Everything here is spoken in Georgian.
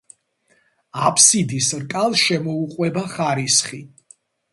აბსიდის რკალს შემოუყვება ხარისხი.